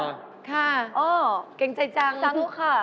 ค่ะเกรงใจจังค่ะไปเลยอ๋อจังลูกค่ะ